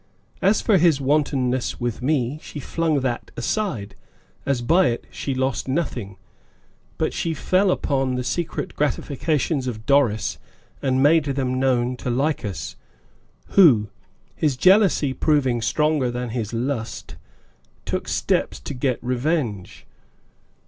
As for his wantonness with me, she flung that aside, as by it she lost nothing, but she fell upon the secret gratifications of Doris and made them known to Lycas, who, his jealousy proving stronger than his lust, took steps to get revenge.